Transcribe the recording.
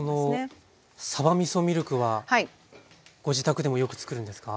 さばみそミルクはご自宅でもよくつくるんですか？